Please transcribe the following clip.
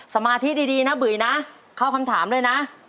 สมาธิดีนะบุ๋ยนะเข้าคำถามเลยนะ